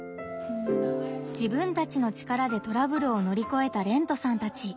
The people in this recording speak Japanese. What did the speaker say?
自分たちの力でトラブルをのりこえたれんとさんたち。